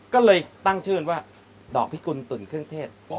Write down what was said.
ก็เลยตั้งชื่อว่าดอกพิกุลตุ่นเครื่องเทศ